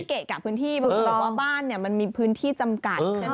ไม่เกะกะพื้นที่บ้านเนี่ยมันมีพื้นที่จำกัด